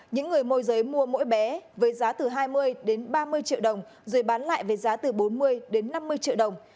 những người môi giới mua mỗi bé với giá từ hai mươi đến ba mươi triệu đồng rồi bán lại với giá từ bốn mươi đến năm mươi triệu đồng